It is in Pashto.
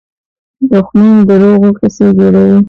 دښمن د دروغو قصې جوړوي